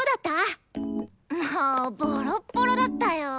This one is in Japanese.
もうボロッボロだったよ。